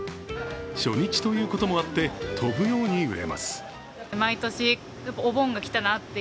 初日ということもあって、飛ぶように売れます。